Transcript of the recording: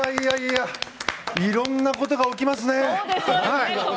いろんなことが起きますね。